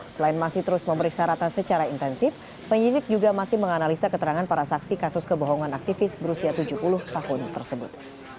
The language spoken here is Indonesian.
selain masih terus memeriksa ratna secara intensif penyidik juga masih menganalisa keterangan para saksi kasus kebohongan aktivis berusia tujuh puluh tahun tersebut